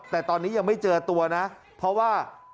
แต่ตอนนี้ยังไม่เจอตัวนะเพราะว่า